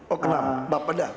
oh kenal bapak dha